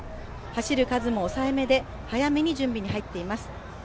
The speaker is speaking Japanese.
走る数も抑えめで、早めに準備に入っています。